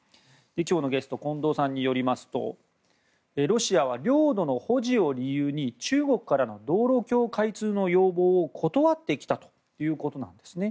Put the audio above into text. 今日のゲスト近藤さんによりますとロシアは領土の保持を理由に中国から道路橋開通の要望を断ってきたということなんですね。